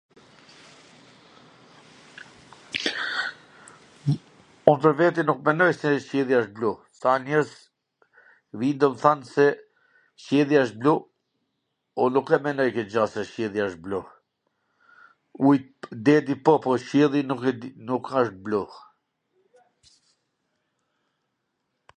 Un pwr vete nuk mendoj se qielli asht blu, than njerz domthan se qielli asht blu, un nuk e menoj kwt gja se qielli asht blu, ujt, deti po, po qielli nuk e di, nuk asht blu,